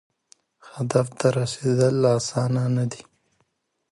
هدف ته رسیدل اسانه نه دي.